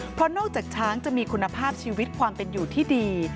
เพราะนอกจากช้างจะมีคุณภาพชีวิตความเป็นอยู่ที่ดี